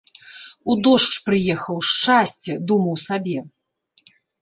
— У дождж прыехаў: шчасце, — думаў сабе.